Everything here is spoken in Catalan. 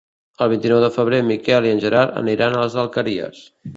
El vint-i-nou de febrer en Miquel i en Gerard aniran a les Alqueries.